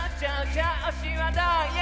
調子はどうよ？」